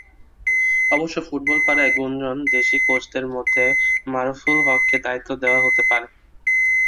অবশ্য ফুটবলপাড়ায় গুঞ্জন দেশি কোচদের মধ্যে মারুফুল হককে দায়িত্ব দেওয়া হতে পারে।